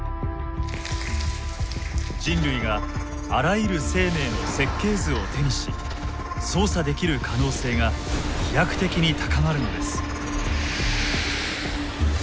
人類があらゆる生命の設計図を手にし操作できる可能性が飛躍的に高まるのです。